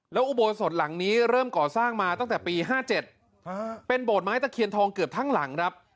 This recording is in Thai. แล้วอุโบสถหลังนี้เริ่มก่อสร้างมาตั้งแต่ปี๕๗เป็นโบสถไม้ตะเคียนทองเกือบทั้งหลังครับ